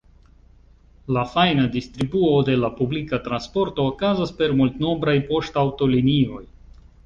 La fajna distribuo de la publika transporto okazas per multnombraj poŝtaŭtolinioj.